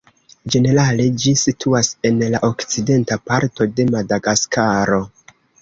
Ĝenerale, ĝi situas en la okcidenta parto de Madagaskaro.